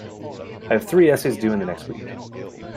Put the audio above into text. I have three essays due in the next week.